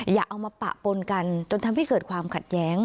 อย่าเอามาปะปนกันจนทำให้เกิดความขัดแย้ง